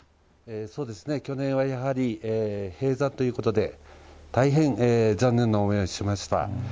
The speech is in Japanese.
そうですね、去年はやはり閉山ということで、大変残念な思いをしました。